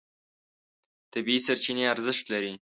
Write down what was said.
طبیعي سرچینې ارزښت لري.